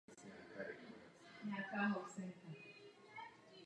Působení vědy a techniky ve vztahu sociologie a těla nelze opomenout.